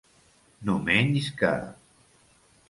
No menys que.